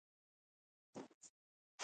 خوراک یې شکرانه ده.